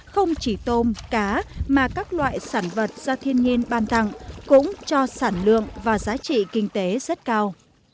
không chỉ tôm cá mà các loại sản vật do thiên nhiên ban tặng cũng cho sản lượng và giá trị kinh tế rất cao